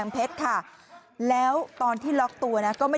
เอ้ยมึงเขามากูกูกูนี่มา